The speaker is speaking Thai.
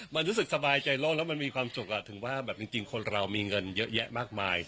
มันรู้สึกสบายใจโลกแล้วมันมีความสุขถึงว่าแบบจริงคนเรามีเงินเยอะแยะมากมาย